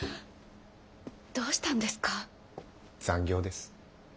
残業です。